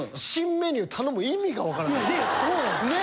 そうなんですよね。